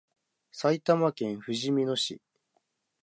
埼玉県ふじみ野市